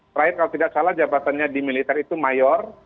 terakhir kalau tidak salah jabatannya di militer itu mayor